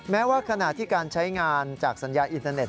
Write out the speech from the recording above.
แม้ว่าขณะที่การใช้งานจากสัญญาอินเทอร์เน็